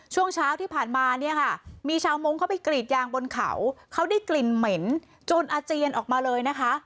ช่วงเช้าที่ผ่านมาเนี่ยค่ะมีชาวมงค์เข้าไปกรีดยางบนเขาเขาได้กลิ่นเหม็นจนอาเจียนออกมาเลยนะคะ